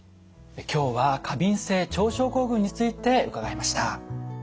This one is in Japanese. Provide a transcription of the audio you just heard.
今日は過敏性腸症候群について伺いました。